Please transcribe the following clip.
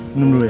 minum dulu ya